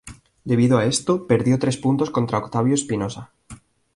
Debido a esto, perdió tres puntos contra Octavio Espinoza.